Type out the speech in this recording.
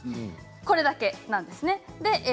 これだけなんですね。